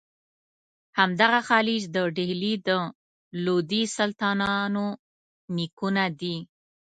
همدغه خلج د ډهلي د لودي سلطانانو نیکونه دي.